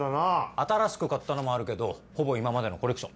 新しく買ったのもあるけどほぼ今までのコレクション。